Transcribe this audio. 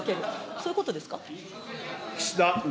そういうことですか。